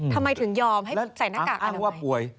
ทำไมถึงยอมไอ้ใส่หน้ากาก